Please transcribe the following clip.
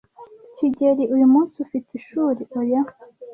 "kigeli, uyu munsi ufite ishuri?" "Oya,